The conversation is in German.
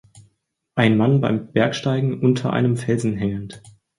ein Mann beim Bergsteigen unter einem Felsen hängend